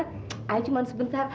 saya cuma sebentar